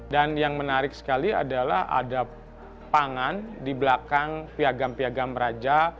dan yang menarik sekali adalah ada pangan di belakang piagam piagam raja